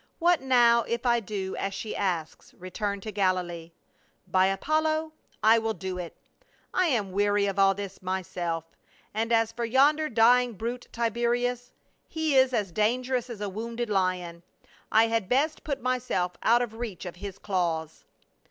"What now if I do as she asks, return to Galilee. By Apollo, I will do it. I am weary of all this myself, and as for yonder dying brute, Tiberius, he is as dangerous as a wounded lion ; I had best put myself out of reach of his claws."